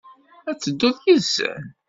Ad tedduḍ yid-sen?